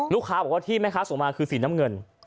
ลูกค้าบอกว่าที่แม่ค้าส่งมาคือสีน้ำเงิน